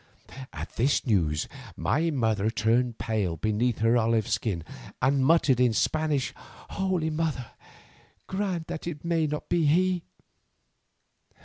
At this news my mother turned pale beneath her olive skin, and muttered in Spanish: "Holy Mother! grant that it be not he."